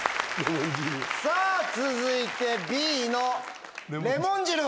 さぁ続いてＢのレモン汁は。